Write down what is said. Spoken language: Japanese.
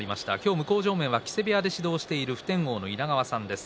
向正面は木瀬部屋で指導している稲川さんです。